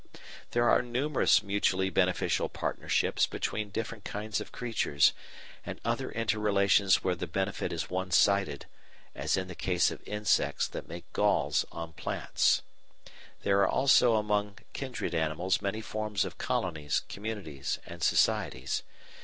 There are numerous mutually beneficial partnerships between different kinds of creatures, and other inter relations where the benefit is one sided, as in the case of insects that make galls on plants. There are also among kindred animals many forms of colonies, communities, and societies.